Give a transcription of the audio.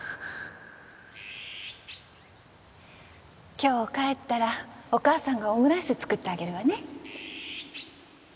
今日帰ったらお母さんがオムライス作ってあげるわね